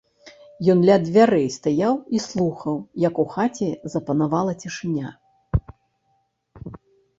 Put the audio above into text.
Ён ля дзвярэй стаяў і слухаў, як у хаце запанавала цішыня.